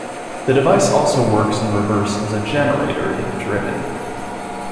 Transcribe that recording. The device also works in reverse as a generator if driven.